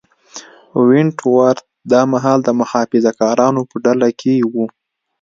ونټ ورت دا مهال د محافظه کارانو په ډله کې و.